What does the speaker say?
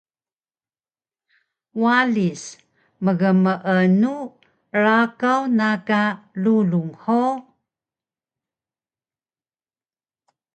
Walis: Mgmeenu rakaw na ka rulung hug?